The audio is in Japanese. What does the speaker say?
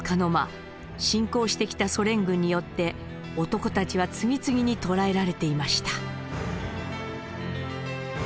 侵攻してきたソ連軍によって男たちは次々に捕らえられていました。